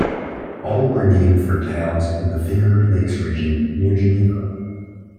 All were named for towns in the Finger Lakes region, near Geneva.